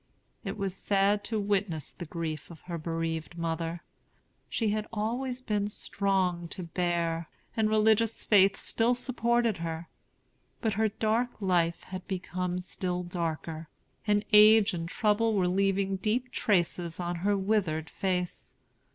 It was sad to witness the grief of her bereaved mother. She had always been strong to bear, and religious faith still supported her; but her dark life had become still darker, and age and trouble were leaving deep traces on her withered face.